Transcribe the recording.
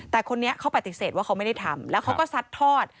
แต่คนนี้เขาปฏิเสธว่าเขาไม่ได้ทำแล้วเขาก็ซัดทอด